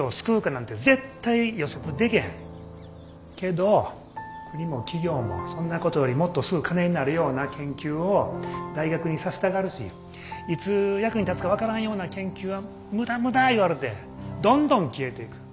けど国も企業もそんなことよりもっとすぐ金になるような研究を大学にさせたがるしいつ役に立つか分からんような研究は無駄無駄言われてどんどん消えていく。